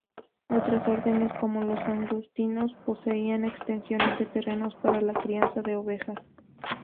Otras órdenes como los agustinos, poseían extensiones de terrenos para la crianza de ovejas.